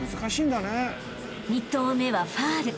［２投目はファウル］